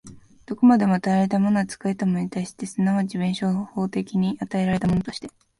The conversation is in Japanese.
どこまでも与えられたものは作られたものとして、即ち弁証法的に与えられたものとして、